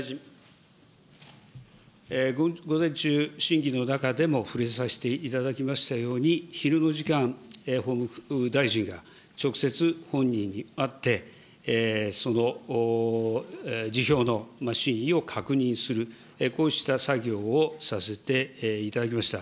午前中、審議の中でも触れさせていただきましたように、昼の時間、法務副大臣が直接本人に会って、その辞表の真意を確認する、こうした作業をさせていただきました。